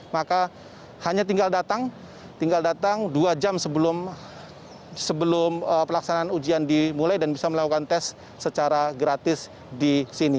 maka hanya tinggal datang tinggal datang dua jam sebelum pelaksanaan ujian dimulai dan bisa melakukan tes secara gratis di sini